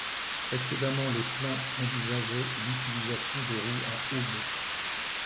Précédemment les plans envisageaient l'utilisation de roues à aubes.